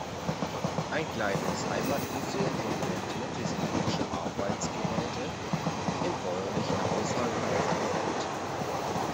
Ein kleines Heimatmuseum dokumentiert historische Arbeitsgeräte im bäuerlichen Haushalt und auf dem Feld.